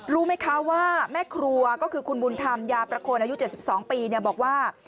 รู้ไหมคะว่าแม่ครัวก็คือคุณบุญธรรมยาประโคนอายุ๗๒ปีบอกว่า